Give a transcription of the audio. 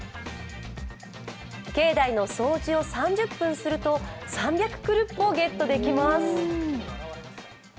境内の掃除を３０分すると３００クルッポ、ゲットできます。